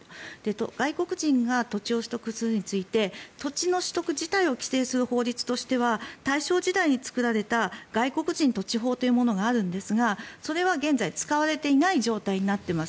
外国人が土地を取得することについて土地の取得自体を規制する法律としては大正時代に作られた外国人土地法というものがあるんですがそれは現在、使われていない状態になっています。